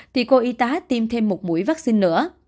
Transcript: thì cô y tá tiêm thêm một mũi vaccine nữa